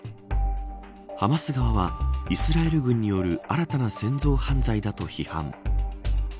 ハマス側はイスラエル軍による新たな戦争犯罪だと批判。